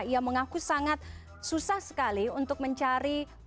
ia mengaku sangat susah sekali untuk mencari ruang rawat